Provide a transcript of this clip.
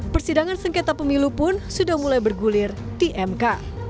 persidangan sengketa pemilu pun sudah mulai bergulir di mk